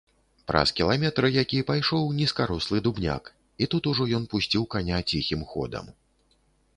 Праз кіламетр які пайшоў нізкарослы дубняк, і тут ужо ён пусціў каня ціхім ходам.